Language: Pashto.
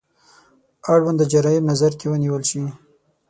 اړونده جرايم نظر کې ونیول شي.